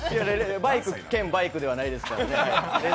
バイクけんバイクではないですからね。